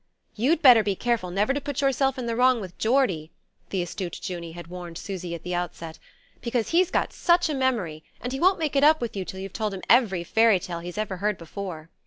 "You'd better be careful never to put yourself in the wrong with Geordie," the astute Junie had warned Susy at the outset, "because he's got such a memory, and he won't make it up with you till you've told him every fairy tale he's ever heard before."